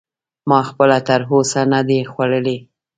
ما خپله تر اوسه نه دی خوړلی.